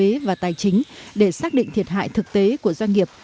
với các ngành thuế và tài chính để xác định thiệt hại thực tế của doanh nghiệp